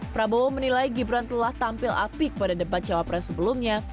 prabowo menilai gibran telah tampil apik pada debat cawapres sebelumnya